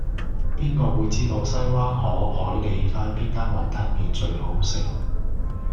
邊個會知道西灣河海利街邊間雲吞麵最好食